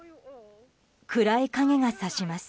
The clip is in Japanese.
暗い影が差します。